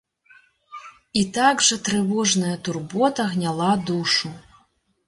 І так жа трывожная турбота гняла душу.